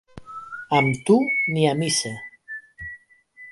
Amb tu, ni a missa.